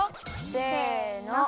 せの。